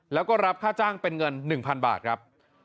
แล้วก็รับค่าจ้างเป็นเงิน๑๐๐๐บาทครับ